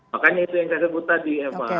makanya itu yang saya sebut tadi eva